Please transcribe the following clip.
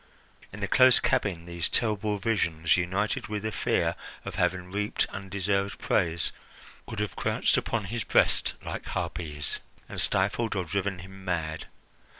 In the close cabin these terrible visions, united with the fear of having reaped undeserved praise, would have crouched upon his breast like harpies and stifled or driven him mad.